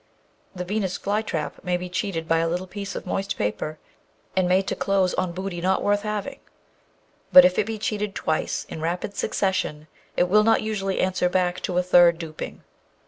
The Venus fly trap may be cheated by a little piece of moist paper and made to close on booty not worth having, but if it be cheated twice in rapid succession it will not usually answer back to a third duping.